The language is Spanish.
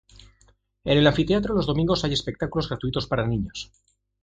En el anfiteatro los domingos hay espectáculos gratuitos para niños.